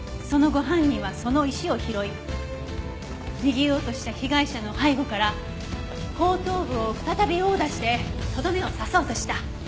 その後犯人はその石を拾い逃げようとした被害者の背後から後頭部を再び殴打してとどめを刺そうとした。